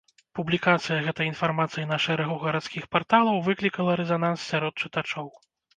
Публікацыя гэтай інфармацыі на шэрагу гарадскіх парталаў выклікала рэзананс сярод чытачоў.